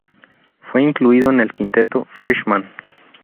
Fue incluido en el Quinteto Freshman.